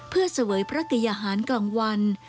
เพื่อเสวยพระติยหารกลางวัน